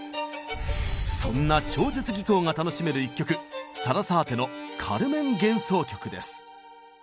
そんな超絶技巧が楽しめる一曲サラサーテの「カルメン幻想曲」です。